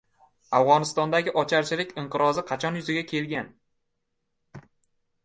Afg`onistondagi ocharchilik inqirozi qachon yuzaga kelgan?